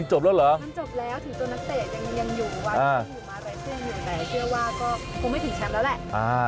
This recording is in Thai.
ตอนนั้นมองวงละ